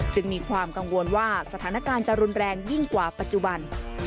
มีความกังวลว่าสถานการณ์จะรุนแรงยิ่งกว่าปัจจุบัน